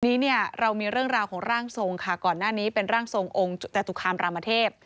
วันนี้เนี่ยเรามีเรื่องราวของร่างทรงค่ะก่อนหน้านี้เป็นร่างทรงองค์จตุคามรามเทพ